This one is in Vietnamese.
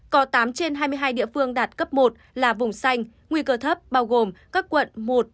có tám trên hai mươi hai địa phương đạt cấp một là vùng xanh nguy cơ thấp bao gồm các quận một